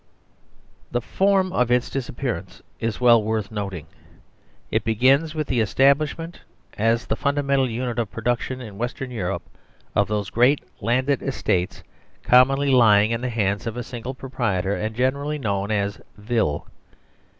The form of its disappearance is well worth noting. It begins with the establishment as the fundamental unit of production in Western Europe of those great landed estates, commonly lying in thehandsof asingle proprietor, and generally known as VlLL/E.